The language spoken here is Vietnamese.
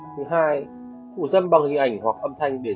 thứ hai phụ dân bằng hình ảnh hoặc âm sách